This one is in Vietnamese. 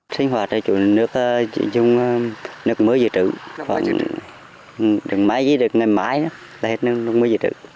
sinh hoạt là chủ nước dùng nước mới dự trữ khoảng được mãi với được ngày mãi là hết nước mới dự trữ